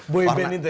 boyband itu ya